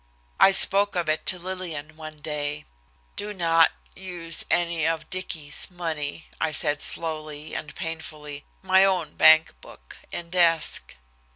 I spoke of it to Lillian one day. "Do not use any of Dicky's money," I said slowly and painfully. "My own bank book in desk."